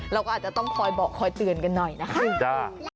เราก็อาจจะต้องคอยบอกคอยเตือนกันหน่อยนะคะ